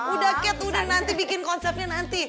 udah cat udah nanti bikin konsepnya nanti